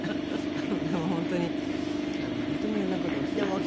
でも本当に本当にいろんな事を教えていただいて。